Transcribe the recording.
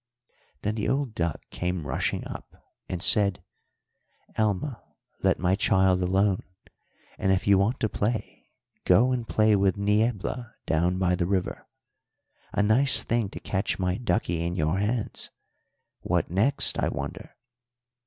"Then the old duck came rushing up, and said: "'Alma, let my child alone: and if you want to play, go and play with Niebla down by the river. A nice thing to catch my duckie in your hands what next, I wonder!'